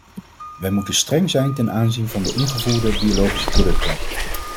Wij moeten streng zijn ten aanzien van de ingevoerde biologische producten.